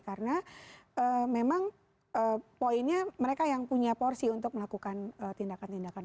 karena memang poinnya mereka yang punya porsi untuk melakukan tindakan tindakan